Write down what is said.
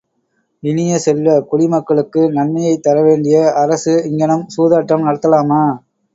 இனிய செல்வ, குடிமக்களுக்கு நன்மையைத் தரவேண்டிய அரசு இங்ஙனம் சூதாட்டம் நடத்தலாமா?